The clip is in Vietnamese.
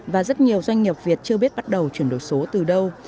và rất nhiều doanh nghiệp việt chưa biết bắt đầu chuyển đổi số từ đâu